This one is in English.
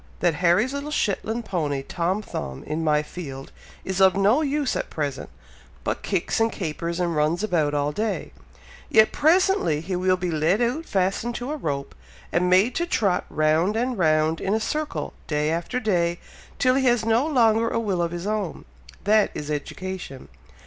that Harry's little Shetland pony, Tom Thumb, in my field, is of no use at present, but kicks, and capers, and runs about all day; yet presently he will be led out fastened to a rope, and made to trot round and round in a circle, day after day, till he has no longer a will of his own, that is education.